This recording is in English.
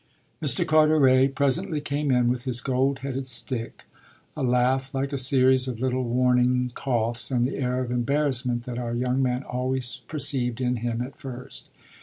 Mr. Carteret presently came in with his gold headed stick, a laugh like a series of little warning coughs and the air of embarrassment that our young man always perceived in him at first.